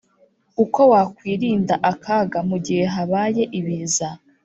Uko wakwirinda akaga mu gihe habaye ibiza